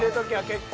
結構。